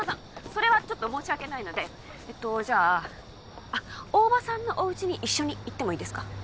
それはちょっと申し訳ないのでえっとじゃああっ大庭さんのおうちに一緒に行ってもいいですか？